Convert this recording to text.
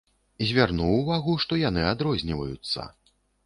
Звярнуў увагу, што яны адрозніваюцца.